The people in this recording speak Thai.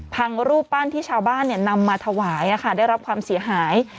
รูปปั้นที่ชาวบ้านนำมาถวายได้รับความเสียหาย